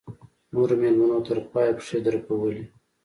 نورو مېلمنو تر پایه پښې دربولې.